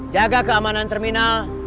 jaga keamanan terminal